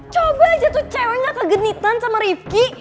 coba aja tuh ceweknya kegenitan sama rifqi